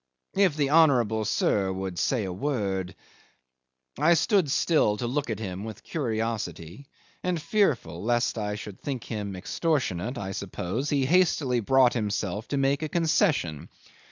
If the honourable sir would say a word. ... I stood still to look at him with curiosity, and fearful lest I should think him extortionate, I suppose, he hastily brought himself to make a concession.